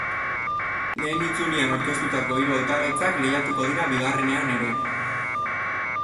Lehen itzulian aurkeztutako hiru hautagaitzak lehiatuko dira bigarrenean ere.